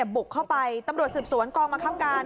บุกเข้าไปตำรวจศึกษวนกองมาทำการ